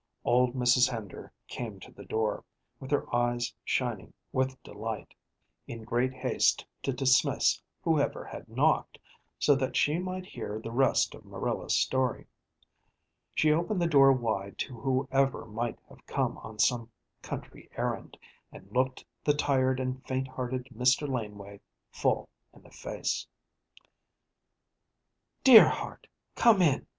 Old Mrs. Hender came to the door, with her eyes shining with delight, in great haste to dismiss whoever had knocked, so that she might hear the rest of Marilla's story. She opened the door wide to whoever might have come on some country errand, and looked the tired and faint hearted Mr. Laneway full in the face. "Dear heart, come in!"